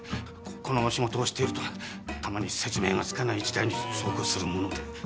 この仕事をしているとたまに説明がつかない事態に遭遇するもので。